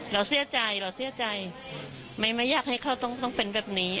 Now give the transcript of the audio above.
เราเสียใจเราเสียใจไม่อยากให้เขาต้องเป็นแบบนี้